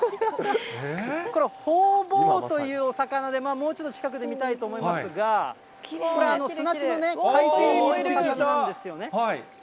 これ、ホウボウというお魚で、もうちょっと近くで見たいと思いますが、これ、砂地の海底にいる魚なんですよね。